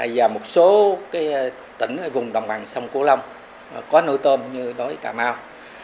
và một số tỉnh vùng đồng bằng sông cửu long có nuôi tôm như đối với cà mau